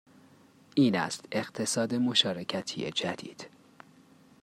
این است اقتصاد مشارکتی جدید